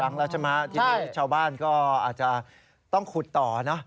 หลายครั้งแล้วจริงชาวบ้านก็อาจจะต้องขุดต่อนะ